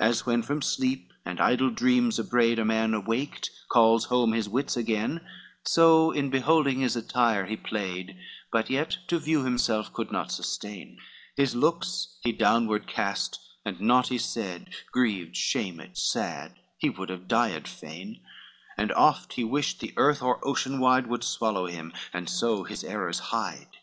XXXI As when, from sleep and idle dreams abraid, A man awaked calls home his wits again; So in beholding his attire he played, But yet to view himself could not sustain, His looks he downward cast and naught he said, Grieved, shamed, sad, he would have died fain, And oft he wished the earth or ocean wide Would swallow him, and so his errors hide.